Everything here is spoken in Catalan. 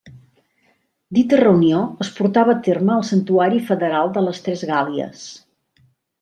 Dita reunió es portava a terme al Santuari federal de les Tres Gàl·lies.